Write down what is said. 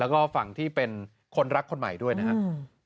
แล้วก็ฝั่งที่เป็นคนรักคนใหม่ด้วยนะครับ